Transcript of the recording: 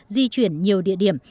di chuyển nhiều địa điểm